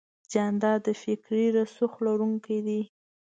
جانداد د فکري رسوخ لرونکی دی.